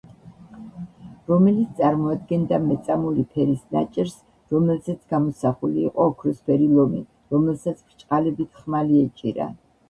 რომელიც წარმოადგენდა მეწამული ფერის ნაჭერს, რომელზეც გამოსახული იყო ოქროსფერი ლომი, რომელსაც ბრჭყალებით ხმალი ეჭირა.